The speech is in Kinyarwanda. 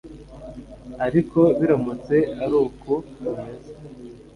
ariko biramutse ari uku bimeze